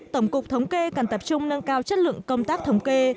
tổng cục thống kê cần tập trung nâng cao chất lượng công tác thống kê